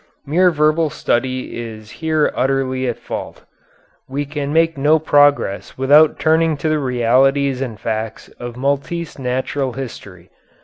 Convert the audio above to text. Mere verbal study is here utterly at fault. We can make no progress without turning to the realities and facts of Maltese natural history.